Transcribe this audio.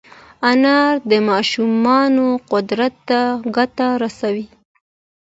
انار د ماشومانو قوت ته ګټه رسوي.